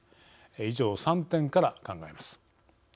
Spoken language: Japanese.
以上３点から考えます。